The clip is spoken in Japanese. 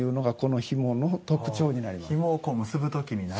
ひもをこう結ぶ時に鳴る。